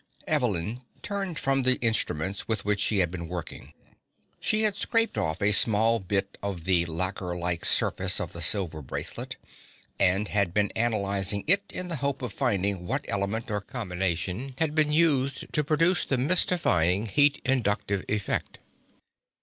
Evelyn turned from the instruments with which she had been working. She had scraped off a small bit of the lacquerlike surface of the silver bracelet, and had been analyzing it in the hope of finding what element or combination had been used to produce the mystifying heat inductive effect.